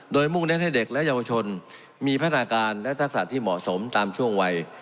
โดยมุ่งเน้นให้เด็กและเยาวชนมีพัฒนาการและทักษะที่เหมาะสมตามช่วงวัย